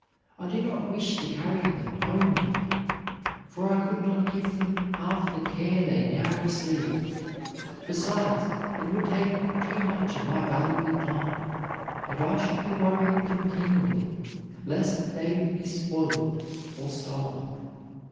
I do not wish to carry them home with me, for I could not give them half the care they now receive; besides, it would take too much of my valuable time, and I should be worrying continually lest they be spoiled or stolen.